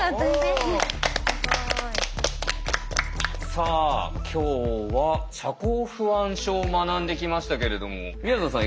さあ今日は社交不安症を学んできましたけれどもみやぞんさん